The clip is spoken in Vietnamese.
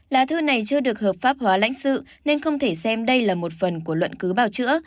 lá thư này chưa được hợp pháp hóa lãnh sự nên không thể xem đây là một phần của luận cứ bào chữa